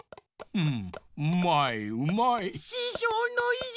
うん？